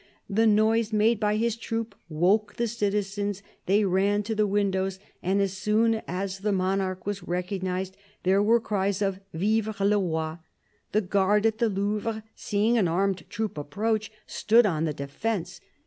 The noise made by his troop woke the citizens, they ran to the windows, and as soon as the monarch was recognised there were cries of Vive le Roi. The guard at the Louvre, seeing an armed troop approach, stood on the defence.